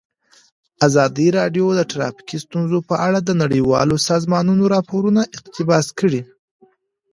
ازادي راډیو د ټرافیکي ستونزې په اړه د نړیوالو سازمانونو راپورونه اقتباس کړي.